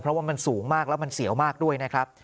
เพราะว่ามันสูงมากแล้วมันเสียวมากด้วยนะครับ